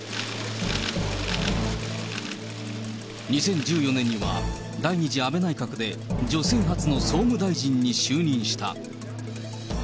２０１４年には、第２次安倍内閣で女性初の総務大臣に就任した。